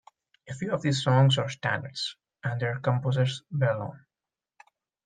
A few of these songs are standards, and their composers well known.